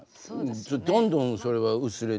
どんどんそれが薄れては。